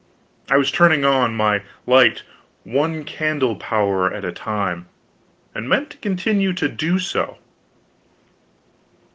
I was turning on my light one candle power at a time, and meant to continue to do so.